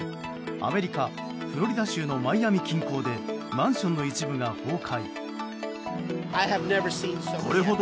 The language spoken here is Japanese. アメリカ・フロリダ州のマイアミ近郊でマンションの一部が崩壊。